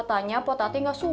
katanya po tati gak mau